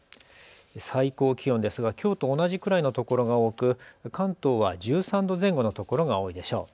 最高気温ですがきょうと同じくらいの所が多く関東は１３度前後の所が多いでしょう。